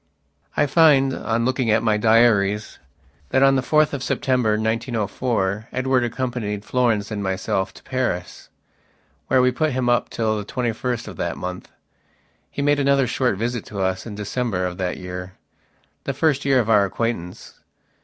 I find, on looking at my diaries, that on the 4th of September, 1904, Edward accompanied Florence and myself to Paris, where we put him up till the twenty first of that month. He made another short visit to us in December of that yearthe first year of our acquaintance.